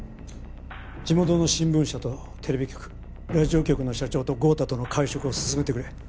地元の新聞社とテレビ局ラジオ局の社長と豪太との会食を進めてくれ。